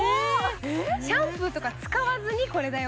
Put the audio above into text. シャンプーとか使わずに、これだよ。